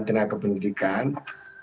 kemudian guru pendidikan agama islam pak zain